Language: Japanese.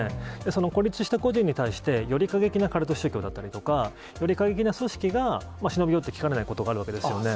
その孤立した個人に対して、より過激なカルト宗教だったりとか、より過激な組織が忍び寄って来かねないことがあるんですよね。